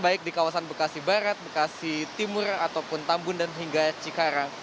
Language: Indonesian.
baik di kawasan bekasi barat bekasi timur ataupun tambun dan hingga cikarang